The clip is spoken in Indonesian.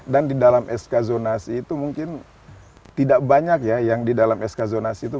dan di dalam sk zonasi itu mungkin tidak banyak ya yang di dalam sk zonasi itu